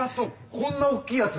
こんな大きいやつ。